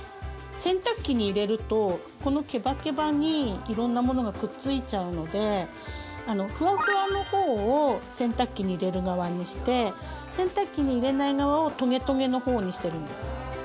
洗濯機に入れるとこのケバケバにいろんなものがくっついちゃうのでフワフワの方を洗濯機に入れる側にして洗濯機に入れない側をトゲトゲの方にしてるんです。